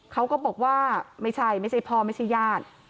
เขาก็บอกว่าไม่ใช่ไม่ใช่พ่อไม่ใช่ญาติ